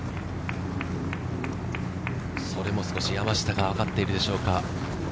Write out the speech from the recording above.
それも少し山下が分かっているでしょうか。